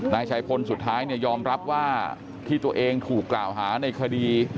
นายชัยพลสุดท้ายเนี่ยยอมรับว่าที่ตัวเองถูกกล่าวหาในคดี